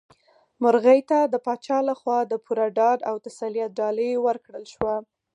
مرغۍ ته د پاچا لخوا د پوره ډاډ او تسلیت ډالۍ ورکړل شوه.